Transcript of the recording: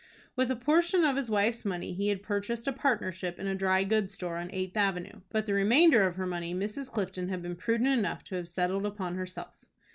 With a portion of his wife's money he had purchased a partnership in a dry goods store on Eighth Avenue; but the remainder of her money Mrs. Clifton had been prudent enough to have settled upon herself.